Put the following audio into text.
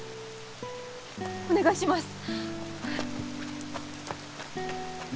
お願いします！